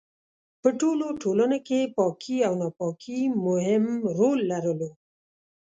په ټولو ټولنو کې پاکي او ناپاکي مهم رول لرلو.